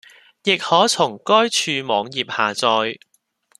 亦可從該處網頁下載